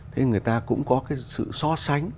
thế người ta cũng có cái sự so sánh